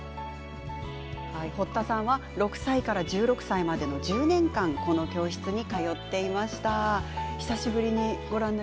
堀田さんは６歳から１６歳までの１０年間この教室に通っていました。